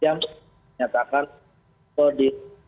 yang ditutup yang ditutup yang ditutup